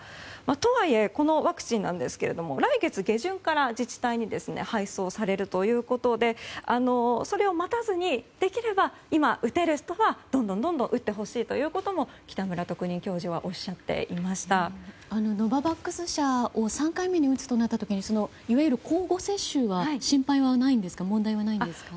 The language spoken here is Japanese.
とはいえこのワクチンなんですけれども来月下旬から自治体に配送されるということでそれを待たずにできれば今、打てる人はどんどん打ってほしいということも北村特任教授はノババックス社製を３回目に打つとなった時にいわゆる交互接種の心配はないんですか？